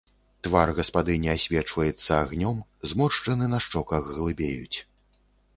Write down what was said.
Твар гаспадыні асвечваецца агнём, зморшчыны на шчоках глыбеюць.